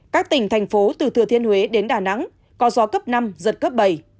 các tỉnh thành phố từ thừa thiên huế đến đà nẵng có gió cấp năm giật cấp bảy